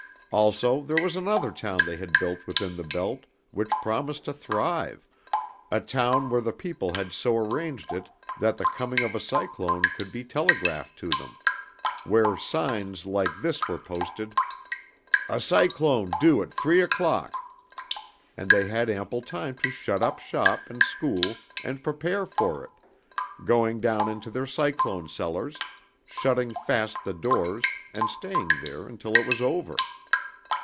Also, there was another town they had built within the belt which promised to thrive, a town where the people had so arranged it that the coming of a cyclone could be telegraphed to them, where signs like this were posted, "A cyclone due at three o'clock," and they had ample time to shut up shop and school and prepare for it, going down into their cyclone cellars, shutting fast the doors and staying there until it was over.